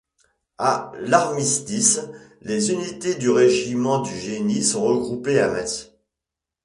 À l'armistice, les unités du Régiment du Génie sont regroupées à Metz.